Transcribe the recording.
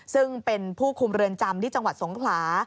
ซึ่งเป็นผู้คุมเรือนจำที่จังหวัดสงขลา